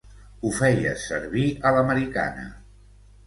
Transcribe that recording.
Ho feies servir a l'americana.